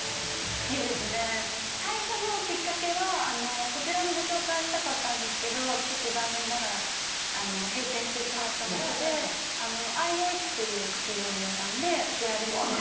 好きですね最初のきっかけはこちらもご紹介したかったんですけどちょっと残念ながら閉店してしまったお店で相生っていうかき氷屋さんでこちらですね